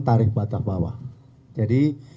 tarif batas bawah jadi